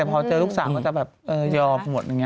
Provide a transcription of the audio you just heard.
แต่พอเจอลูกสาวก็จะแบบยอมหมดอย่างนี้